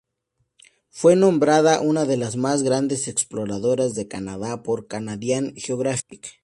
Fue nombrada una de las más grandes exploradoras de Canadá por Canadian Geographic.